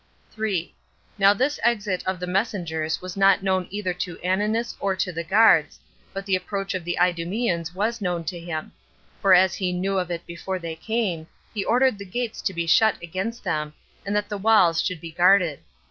3. Now this exit of the messengers was not known either to Ananus or to the guards, but the approach of the Idumeans was known to him; for as he knew of it before they came, he ordered the gates to be shut against them, and that the walls should be guarded.